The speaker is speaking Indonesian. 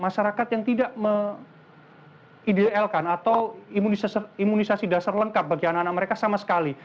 masyarakat yang tidak mengidelkan atau imunisasi dasar lengkap bagi anak anak mereka sama sekali